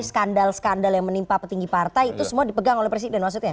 skandal skandal yang menimpa petinggi partai itu semua dipegang oleh presiden maksudnya